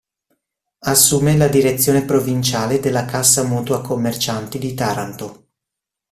Assume la Direzione Provinciale della Cassa Mutua Commercianti di Taranto.